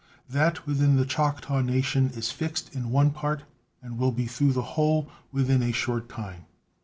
That with the Choctaw Nation is fixed in one part and will be through the whole within a short time.